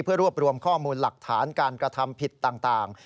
เพื่อรวบรวมข้อมูลหลักฐานการกระทำผิดต่าง